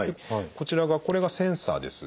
こちらがこれがセンサーです。